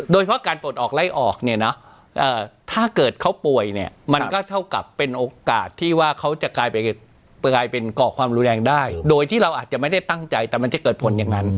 เพราะการปลดออกไล่ออกเนี่ยนะถ้าเกิดเขาป่วยเนี่ยมันก็เท่ากับเป็นโอกาสที่ว่าเขาจะกลายเป็นก่อความรุนแรงได้โดยที่เราอาจจะไม่ได้ตั้งใจแต่มันจะเกิดผลอย่างนั้น